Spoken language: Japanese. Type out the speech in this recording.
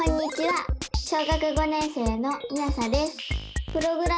小学５年生のみあさです。